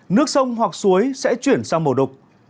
nước sông hoặc suối sẽ chuyển sang màu đục